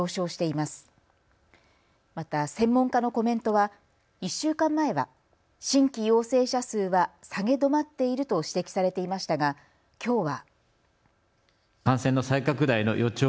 また専門家のコメントは１週間前は新規陽性者数は下げ止まっていると指摘されていましたがきょうは。